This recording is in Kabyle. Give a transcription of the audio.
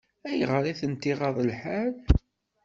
Ayɣer i tent-iɣaḍ lḥal?